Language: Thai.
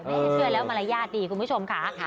งั้นบ้างช่วยแล้วมารยาทดีคุณผู้ชมค่ะ